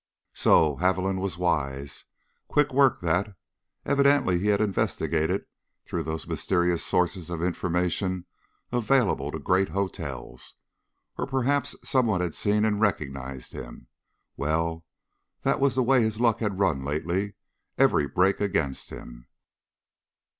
So! Haviland was wise! Quick work that. Evidently he had investigated, through those mysterious sources of information available to great hotels. Or perhaps some one had seen and recognized him. Well, that was the way his luck had run, lately every break against him.